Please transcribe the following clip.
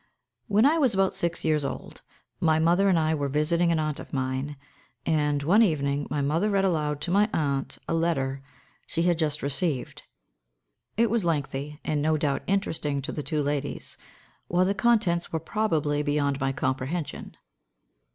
When I was about six years old, my mother and I were visiting an aunt of mine, and, one evening, my mother read aloud to my aunt a letter she had just received. It was lengthy, and no doubt interesting to the two ladies, while the contents were probably beyond my comprehension.